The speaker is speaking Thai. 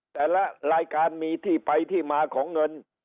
แต่ละรายการมีที่ไปที่มาของเงิน